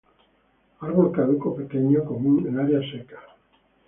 Árbol caduco pequeño, común en áreas secas.